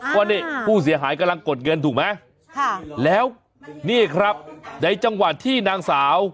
ก็นี่ผู้เสียหายกำลังกดเงินถูกไหมแล้วนี่ครับในจังหวะที่นางสาว